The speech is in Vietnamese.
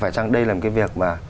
phải chăng đây là một cái việc mà